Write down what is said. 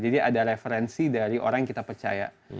jadi ada referensi dari orang yang kita percaya